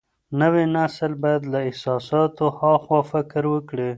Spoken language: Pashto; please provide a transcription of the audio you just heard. نوی نسل بايد له احساساتو هاخوا فکر وکړي.